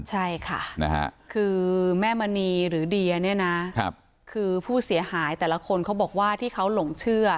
ใช่ค่ะคือแม่มณีหรือเดียเนี่ยนะคือผู้เสียหายแต่ละคนเขาบอกว่าที่เขาหลงเชื่อ